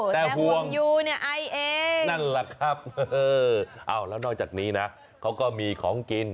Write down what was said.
แต่ห่วงยูเนี่ยไอเอนั่นแหละครับแล้วนอกจากนี้นะเขาก็มีของกิน